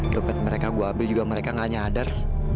dupet mereka gue ambil juga mereka nggak nyadar